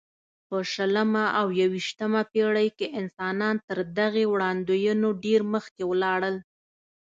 په شلمه او یویشتمه پېړۍ کې انسانان تر دغې وړاندوینو ډېر مخکې ولاړل.